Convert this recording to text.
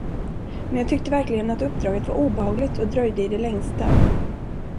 Men jag tyckte verkligen att uppdraget var obehagligt och dröjde i det längsta.